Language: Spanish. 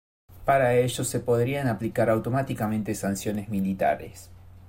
Para ello se podrían aplicar automáticamente sanciones militares.